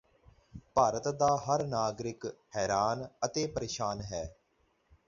ਭਾਰਤ ਦਾ ਹਰ ਨਾਗਰਿਕ ਹੈਰਾਨ ਅਤੇ ਪ੍ਰੇਸ਼ਾਨ ਹੈ